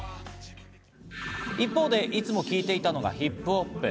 一方でいつも聴いていたのがヒップホップです。